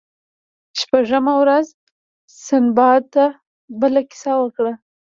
شپږمه ورځ سنباد بله کیسه وکړه.